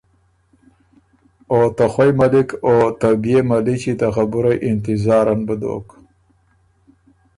او ته خوئ ملِک او ته بيې مَلِچی ته خبُرئ انتظارن بُو دوک